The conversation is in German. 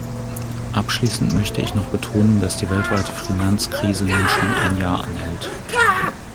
Abschließend möchte ich noch betonen, dass die weltweite Finanzkrise nun schon ein Jahr anhält.